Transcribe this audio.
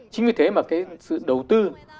chính vì thế mà cái sự đầu tư